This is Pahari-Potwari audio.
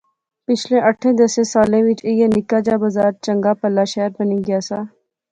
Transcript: پچھلے آٹھِیں دسیں سالیں وچ ایہہ نکا جا بزار چنگا پہلا شہر بنی گیا سا